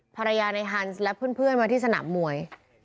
ภรรยาในฮันส์และเพื่อนมาที่สนามมวย